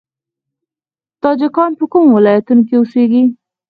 تاجکان په کومو ولایتونو کې اوسیږي؟